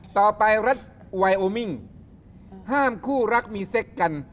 ต่อไปรัฐไวโอมิ่งห้ามคู่รักมีเซ็กกัน